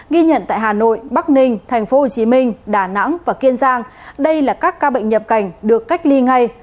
ghi nhận tại hà nội bắc ninh tp hcm đà nẵng và kiên giang đây là các ca bệnh nhập cảnh được cách ly ngay